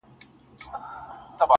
لكه ژړا~